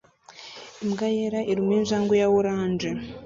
Imbwa yera iruma injangwe ya orange